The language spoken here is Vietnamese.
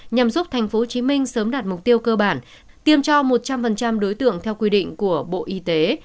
nhằm giúp tp hcm sớm đạt mục tiêu cơ bản tiêm cho một trăm linh đối tượng theo quy định của bộ y tế